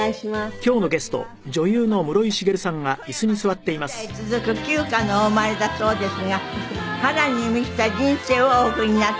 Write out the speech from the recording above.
富山で１０代続く旧家のお生まれだそうですが波乱に満ちた人生をお送りになっていらっしゃいます。